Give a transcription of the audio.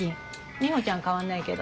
ミホちゃんは変わんないけど。